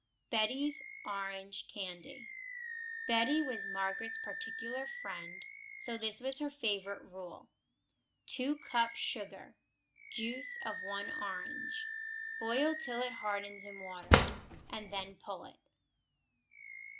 Betty's Orange Candy Betty was Margaret's particular friend, so this was her favorite rule: 2 cups sugar. Juice of one orange. Boil till it hardens in water, and then pull it.